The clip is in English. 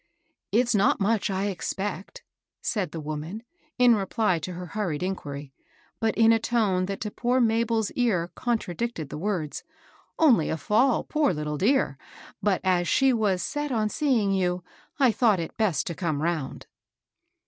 " It's not much, I expect," said the woman, in reply to her hurried inquiry, but in a tone that to poor Mabel's ear contradicted the words, "only a fall, poor little dear. But as she was set on see ing you, I thought it best to come round."